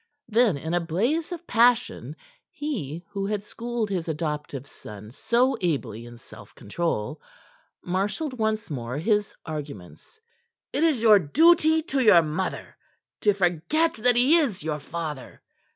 Then, in a blaze of passion, he who had schooled his adoptive son so ably in self control marshalled once more his arguments. "It is your duty to your mother to forget that he is your father.